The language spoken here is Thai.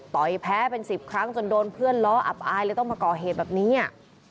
ต่อยแพ้เป็นสิบครั้งจนโดนเพื่อนล้ออับอายเลยต้องประกอบเหตุแบบนี้